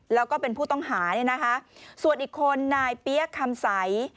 แล้วก็เป็นผู้ต้องหาเนี่ยนะคะส่วนอีกคนนายเปี๊ยกคำใส